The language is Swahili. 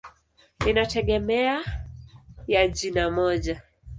Inategemea ya jina moja.